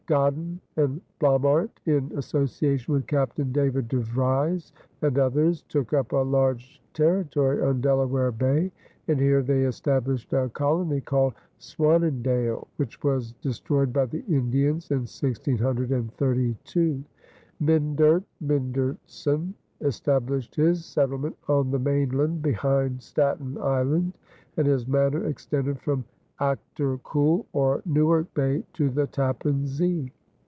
Godyn and Blommaert, in association with Captain David de Vries and others, took up a large territory on Delaware Bay, and here they established a colony called "Swannendael," which was destroyed by the Indians in 1632. Myndert Myndertsen established his settlement on the mainland behind Staten Island, and his manor extended from Achter Kul, or Newark Bay, to the Tappan Zee.